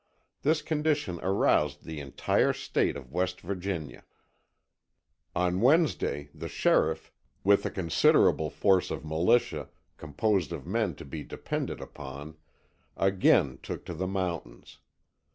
This condition aroused the entire State of West Virginia. On Wednesday the sheriff, with a considerable force of "militia," composed of men to be depended upon, again took to the mountains.